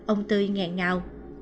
ông tươi ngẹn ngào